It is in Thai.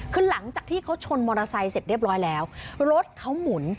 คือหลังจากที่เขาชนมอเตอร์ไซค์เสร็จเรียบร้อยแล้วรถเขาหมุน